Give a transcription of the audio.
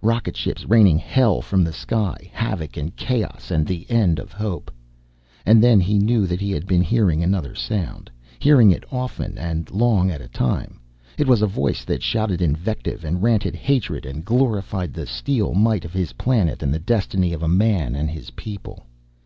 Rocket ships raining hell from the sky, havoc and chaos and the end of hope. And then he knew that he had been hearing another sound, hearing it often and long at a time. It was a voice that shouted invective and ranted hatred and glorified the steel might of his planet and the destiny of a man and a people.